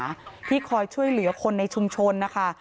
กลุ่มจิตอาสาที่คอยช่วยเหลือคนในชุมชนนะคะ